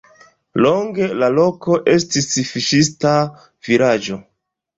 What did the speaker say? Longe la loko estis fiŝista vilaĝo.